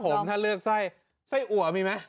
ผมถ้าเลือกไส้ไส้อัวมีไหม